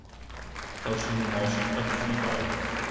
就算我說不知道